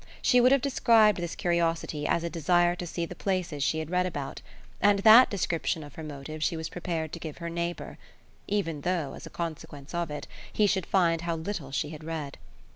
She would have described this curiosity as a desire to see the places she had read about, and THAT description of her motive she was prepared to give her neighbour even though, as a consequence of it, he should find how little she had read.